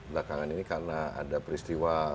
belakangan ini karena ada peristiwa